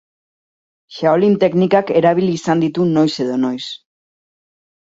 Shaolin teknikak erabili izan ditu noiz edo noiz.